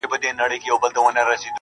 • زموږ څه ژوند واخله.